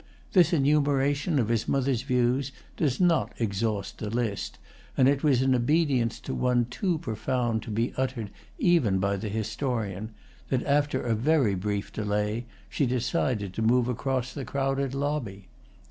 This enumeration of his mother's views does not exhaust the list, and it was in obedience to one too profound to be uttered even by the historian that, after a very brief delay, she decided to move across the crowded lobby.